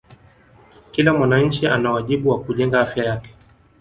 Kila mwananchi ana wajibu wa kujenga Afya yake